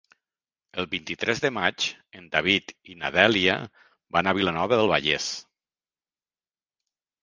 El vint-i-tres de maig en David i na Dèlia van a Vilanova del Vallès.